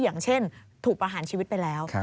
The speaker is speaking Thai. อย่างเช่นถูกประหารชีวิตไปแล้ว